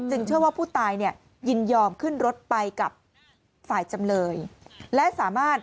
จึงเชื่อว่าผู้ตายเนี่ยยินยอมขึ้นรถไปกับฝ่ายจำเลย